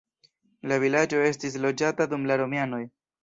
La vilaĝo estis loĝata dum la romianoj.